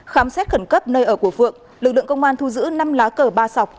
khám xét khẩn cấp nơi ở của phượng lực lượng công an thu giữ năm lá cờ ba sọc